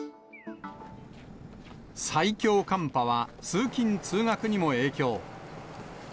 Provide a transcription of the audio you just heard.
最強寒波は通勤・通学にも影響。